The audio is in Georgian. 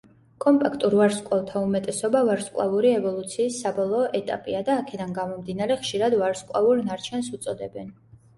კომპაქტურ ვარსკვლავთა უმეტესობა ვარსკვლავური ევოლუციის საბოლოო ეტაპია და, აქედან გამომდინარე, ხშირად ვარსკვლავურ ნარჩენს უწოდებენ.